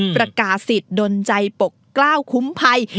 ประกาศิษย์ดนใจปกกล้าวคุ้มภัย